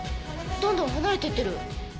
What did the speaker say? どんどん離れていってる。